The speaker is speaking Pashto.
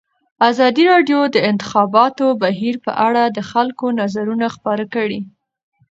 ازادي راډیو د د انتخاباتو بهیر په اړه د خلکو نظرونه خپاره کړي.